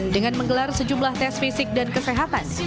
dengan menggelar sejumlah tes fisik dan kesehatan